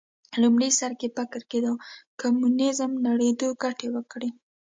لومړي سر کې فکر کېده کمونیزم نړېدو ګټه وکړي